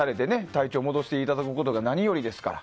体調を戻していただくことが何よりですから。